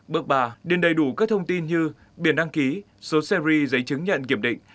bước ba điền đầy đủ các thông tin như biển đăng ký số series giấy chứng nhận kiểm định